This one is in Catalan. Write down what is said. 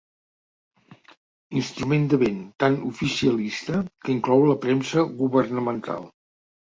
Instrument de vent tan oficialista que inclou la premsa governamental.